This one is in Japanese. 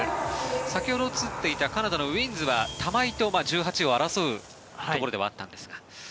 先ほど映っていたカナダのウィーンズは玉井と１８位を争うところではあったんですが。